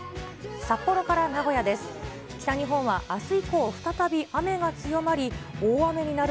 札幌から名古屋です。